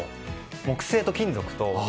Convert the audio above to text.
木製と金属と。